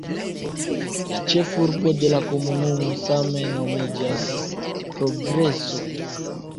La ĉefurbo de la komunumo same nomiĝas "Progreso".